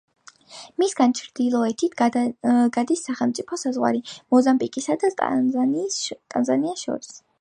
მისგან ჩრდილოეთით გადის სახელმწიფო საზღვარი მოზამბიკსა და ტანზანიას შორის.